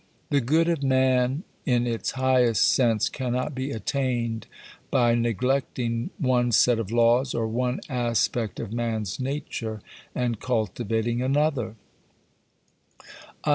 The good of man in its highest sense cannot be attained by neglecting one set of laws or one aspect of man's nature and cultivating another.